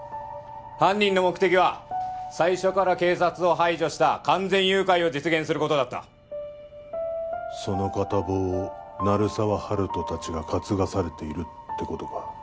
犯人の目的は最初から警察を排除した完全誘拐を実現することだったその片棒を鳴沢温人達が担がされているってことか